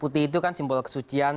putih itu kan simbol kesucian